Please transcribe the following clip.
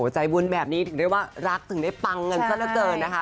ใจบุญแบบนี้ถึงได้ว่ารักถึงได้ปังกันซะละเกินนะคะ